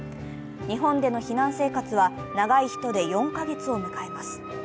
日本での避難生活は長い人で４カ月を迎えます。